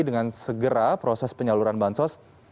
dengan segera proses penyaluran bantuan sosial